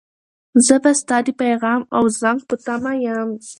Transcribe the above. زه به ستا د پیغام او زنګ په تمه یم.